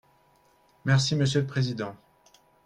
Merci, monsieur le président.